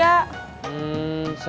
saya udah langsung kerja